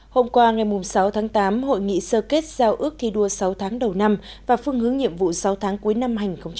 hôm qua ngày sáu tháng tám hội nghị sơ kết giao ước thi đua sáu tháng đầu năm và phương hướng nhiệm vụ sáu tháng cuối năm hai nghìn một mươi chín